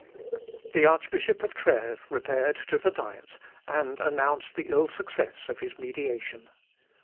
The Archbishop of Trêves repaired to the Diet, and announced the ill success of his mediation.